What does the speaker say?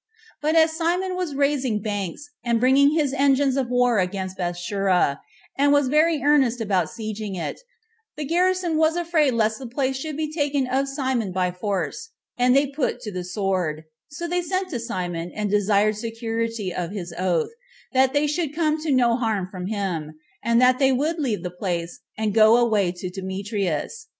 But as Simon was raising banks, and bringing his engines of war against Bethsura, and was very earnest about the siege of it, the garrison was afraid lest the place should be taken of Simon by force, and they put to the sword; so they sent to Simon, and desired the security of his oath, that they should come to no harm from him, and that they would leave the place, and go away to Demetrius.